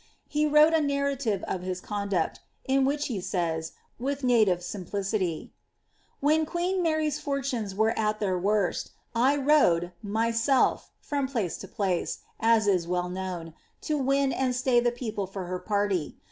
He wrote a iinrralive of his con duct, in which he says, with native simplicity, " Wlien queen Maiy'i fortunes were at the worst, [ rode, mysell', from place tu plane ^as is well known), lo win and slay the people for her party.